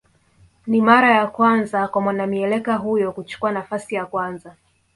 Ni mara ya kwanza kwa mwanamieleka huyo kuchukua nafasi ya kwanza